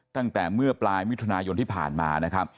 ตั้งแต่เมื่อปลายมิถุนายนที่ผ่านมานะครับ